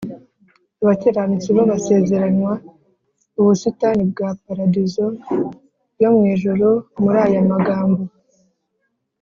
abakiranutsi bo basezeranywa ubusitani bwa paradizo yo mu ijuru muri aya magambo